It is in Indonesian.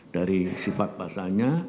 dari sifat bahasanya